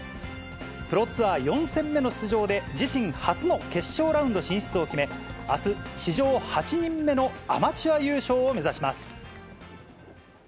プロツアー４戦目の出場で、自身初の決勝ラウンド進出を決め、あす、史上８人目のアマチュア優勝を目指します。